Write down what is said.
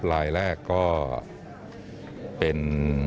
ลายแรกก็เป็น